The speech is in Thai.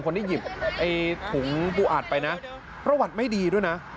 คนที่หยิบไอ้ถุงปูอัดไปนะประวัติไม่ดีด้วยนะ